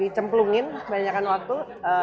dicemplungin kebanyakan waktu